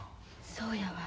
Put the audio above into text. そうやわ。